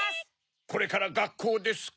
これからがっこうですか？